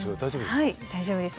はい大丈夫です。